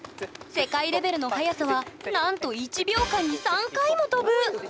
世界レベルの速さはなんと１秒間に３回も跳ぶ！